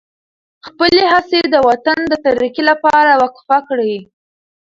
خپلې هڅې د وطن د ترقۍ لپاره وقف کړئ.